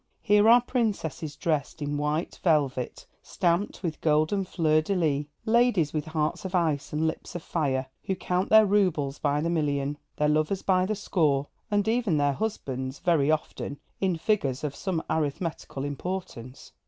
Here are princesses dressed in white velvet stamped with golden fleurs de lys ladies with hearts of ice and lips of fire, who count their roubles by the million, their lovers by the score, and even their husbands, very often, in figures of some arithmetical importance.